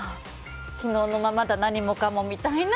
昨日のままだ、何もかもって。